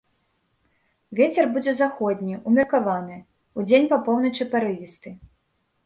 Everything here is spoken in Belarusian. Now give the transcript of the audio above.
Вецер будзе заходні, умеркаваны, удзень па поўначы парывісты.